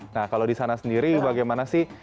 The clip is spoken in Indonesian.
nah kalau di sana sendiri bagaimana sih